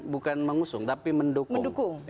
bukan mengusung tapi mendukung